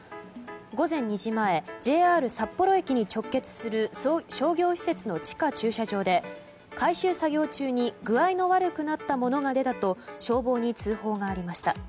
午前２時前ＪＲ札幌駅に直結する商業施設の地下駐車場で改修作業中に具合の悪くなった者が出たと消防に通報がありました。